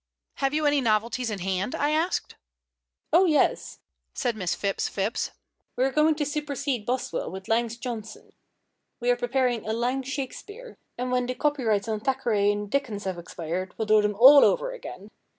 "Have you any novelties in hand?" I asked. "Oh yes," said Miss Phipps Phipps. "We are going to supersede Boswell with Lang's Johnson. We are preparing a Lang Shakespeare; and when the copyrights on Thackeray and Dickens have expired, we'll do them all over again.